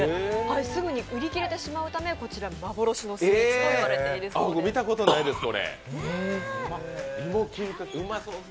すぐに売り切れてしまうためこちら幻のスイーツといわれているそうです。